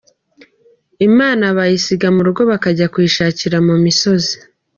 Imana bayisiga mu rugo bakajya kuyishakira mu misozi .